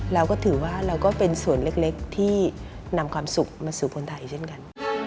เราก็ถือว่าเราก็เป็นส่วนเล็กที่นำความสุขมาสู่คนไทยเช่นกัน